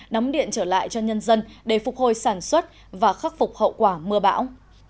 đóng điện trở lại cho nhân dân để phục hồi sản xuất và khắc phục hậu quả mưa bão